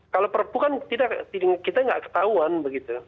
kalau perpukan tidak kita tidak ketahuan begitu